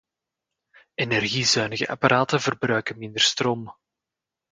Energiezuinige apparaten verbruiken minder stroom